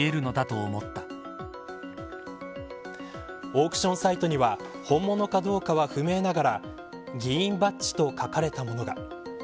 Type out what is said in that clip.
オークションサイトには本物かどうかは不明ながら議員バッジと書かれたものが。